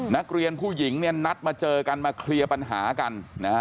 นักเรียนผู้หญิงเนี่ยนัดมาเจอกันมาเคลียร์ปัญหากันนะฮะ